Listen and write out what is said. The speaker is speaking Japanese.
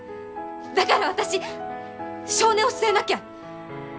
だから私性根を据えなきゃ！